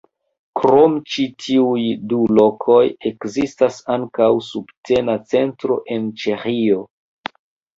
Krom ĉi tiuj du lokoj, ekzistas ankaŭ subtena centro en Ĉeĥio.